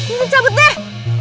ini gue cabut deh